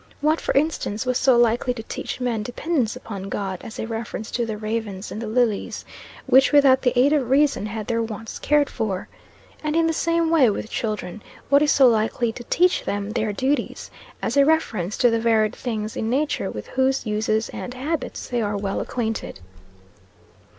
What, for instance, was so likely to teach men dependence upon God as a reference to the 'ravens and the lilies,' which without the aid of reason had their wants cared for? And in the same way with children what is so likely to teach them their duties, as a reference to the varied things in nature with whose uses and habits they are well acquainted?